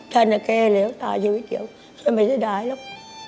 ถ้าแกเลยตายชีวิตเดียวฉันไม่ได้หรอก